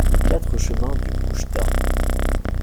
quatre chemin du Couchetat